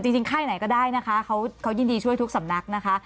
ค่ายไหนก็ได้นะคะเขายินดีช่วยทุกสำนักนะคะ